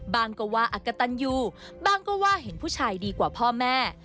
ก็ว่าอักกะตันยูบ้างก็ว่าเห็นผู้ชายดีกว่าพ่อแม่